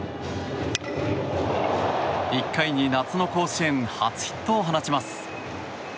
１回に夏の甲子園初ヒットを放ちます。